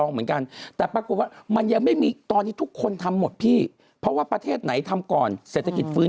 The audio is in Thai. เขาก็ยังระวังอยู่